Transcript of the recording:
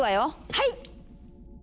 はい！